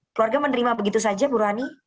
keluarga menerima begitu saja burani